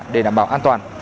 để đảm bảo an toàn